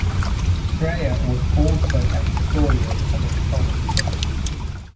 Dreyer was also a historian of astronomy.